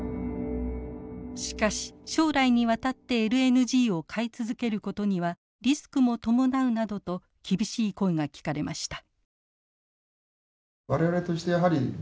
しかし将来にわたってＬＮＧを買い続けることにはリスクも伴うなどと厳しい声が聞かれました。